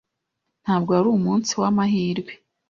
Ntabwo wari umunsi wamahirwe.